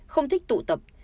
không thích tụ tập